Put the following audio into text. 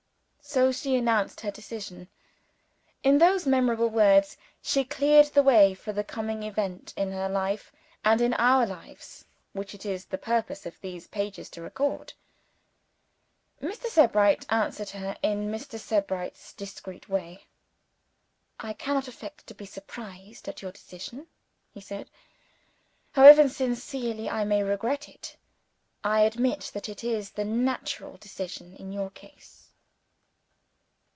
So, she announced her decision. In those memorable words, she cleared the way for the coming Event in her life and in our lives, which it is the purpose of these pages to record. Mr. Sebright answered her, in Mr. Sebright's discreet way. "I cannot affect to be surprised at your decision," he said. "However sincerely I may regret it, I admit that it is the natural decision, in your case."